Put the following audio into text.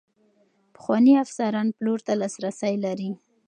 پخواني افسران پلور ته لاسرسی لري.